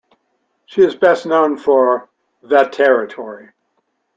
She is best known for "The Territory".